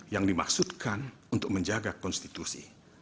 yang dimaksudkan untuk menjaga konstitusi